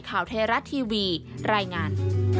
ข่าวเทราะห์ทีวีรายงาน